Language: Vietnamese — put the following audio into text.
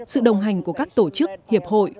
sự đồng hành của các tổ chức hiệp hội